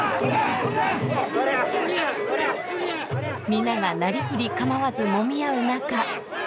皆がなりふり構わずもみ合う中。